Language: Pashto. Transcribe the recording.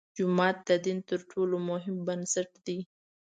جومات د دین تر ټولو مهم بنسټ دی.